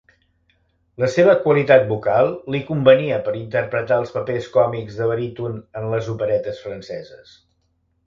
La seva qualitat vocal li convenia per interpretar els papers còmics de baríton en les operetes franceses.